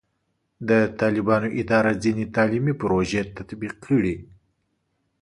د طالبانو اداره ځینې تعلیمي پروژې تطبیق کړي.